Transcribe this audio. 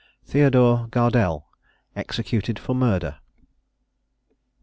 THEODORE GARDELLE. EXECUTED FOR MURDER.